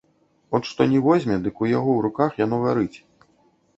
От што ні возьме, дык у яго руках яно гарыць.